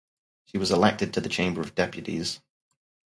She was elected to the Chamber of Deputies.